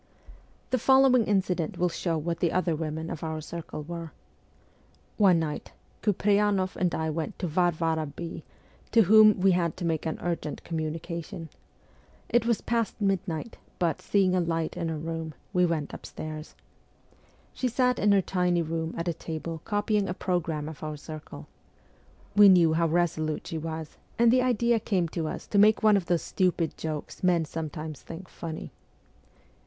The following incident will show what the other women of our circle were. One night, Kupreyanoff and I went to Varvara B., to whom we had to make an urgent communication. It was past midnight, but, seeing a light in her window, we went upstairs. She sat in her tiny room at a table copying a programme of our circle. We knew how resolute s she was, and the idea came to us to make one of those stupid jokes men sometimes think funny.